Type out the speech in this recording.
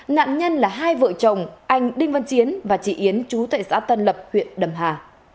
nạn nhân là hai vợ chồng anh đinh văn chiến và chị yến chú tệ xã tân lập huyện đầm hà